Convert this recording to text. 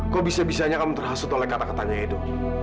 kok bisa bisanya kamu terhasut oleh kata katanya itu